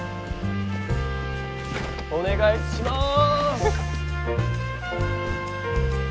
お願いします。